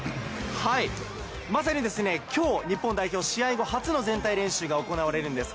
まさにきょう、日本代表、試合後初の全体練習が行われるんです。